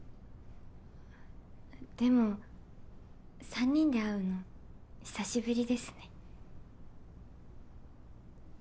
でも３人で会うの久しぶりですね。